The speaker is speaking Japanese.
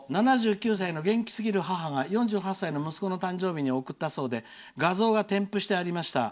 元気な母が４８歳の息子の誕生日に送ったそうで画像が添付してありました。